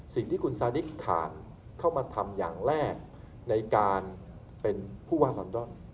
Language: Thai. สิ่งที่คุณซานิกขาดเข้ามาทำอย่างแรกในการเป็นผู้ว่าลอนดอน